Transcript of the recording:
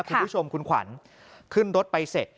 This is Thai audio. คุณผู้ชมคุณขวัญขึ้นรถไปเสร็จ